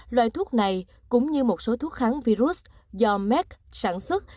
loại thuốc này cũng như một số thuốc kháng virus do mec sản xuất